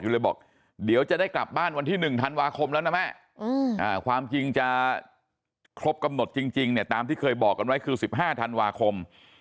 แต่ความจริงจะครบกำหนดจริงเนี่ยตามที่เคยบอกกันไว้คือ๑๕ธันวาคม